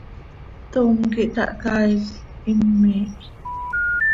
Tom quih tahcaail, him miih.